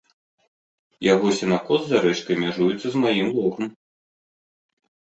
Яго сенакос за рэчкай мяжуецца з маім логам.